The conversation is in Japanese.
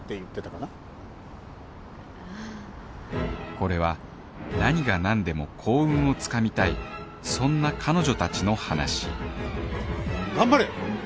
これは何が何でも幸運を掴みたいそんな彼女たちの話頑張れ！